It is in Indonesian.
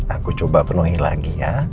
aku coba penuhi lagi ya